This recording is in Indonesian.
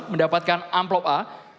mendapatkan amplop a